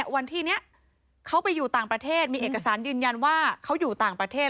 วันที่นี้เขาไปอยู่ต่างประเทศมีเอกสารยืนยันว่าเขาอยู่ต่างประเทศ